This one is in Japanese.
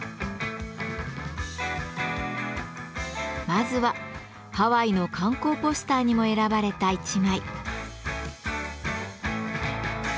まずはハワイの観光ポスターにも選ばれた１枚。